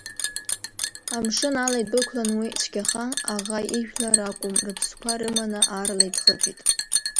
Амшын ала идәықәлан уи цәгьахан, аӷа ижәлара акәым, рыԥсқәа рыманы аарла иӡхыҵит.